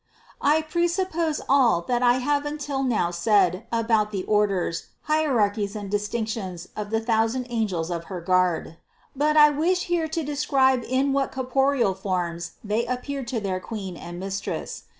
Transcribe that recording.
363. I presuppose all that I have until now said about the orders, hierarchies and distinctions of the thousand angels of her guard. But I wish here to describe in what corporeal forms they appeared to their Queen and Mistress.